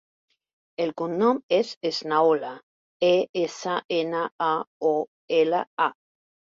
El cognom és Esnaola: e, essa, ena, a, o, ela, a.